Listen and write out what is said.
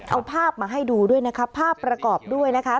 เอาภาพมาให้ดูด้วยนะคะภาพประกอบด้วยนะคะ